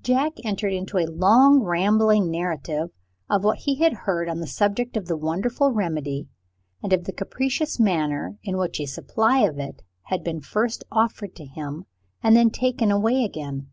Jack entered into a long rambling narrative of what he had heard on the subject of the wonderful remedy, and of the capricious manner in which a supply of it had been first offered to him, and then taken away again.